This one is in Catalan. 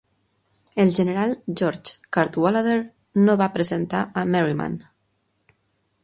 El general George Cadwalader no va presentar a Merryman.